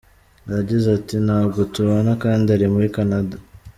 Yagize ati "…Ntabwo tubana kandi ari muri Canada.